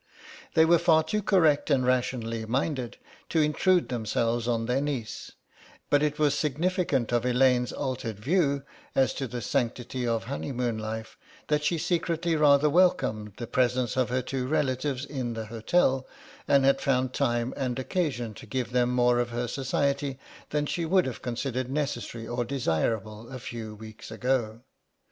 They were far too correct and rationally minded to intrude themselves on their niece, but it was significant of Elaine's altered view as to the sanctity of honeymoon life that she secretly rather welcomed the presence of her two relatives in the hotel, and had found time and occasion to give them more of her society than she would have considered necessary or desirable a few weeks ago.